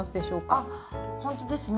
あっほんとですね。